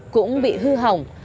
cũng bị hư hỏng